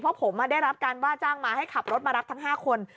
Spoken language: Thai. เพราะผมได้รับการว่าจ้างมาให้ขับรถมารับทั้ง๕คน